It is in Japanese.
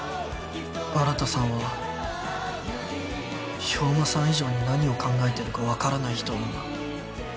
新さんは兵馬さん以上に何を考えてるか分からない人なんだ。